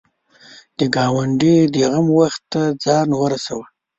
د ګاونډي د غم وخت ته ځان ورسوه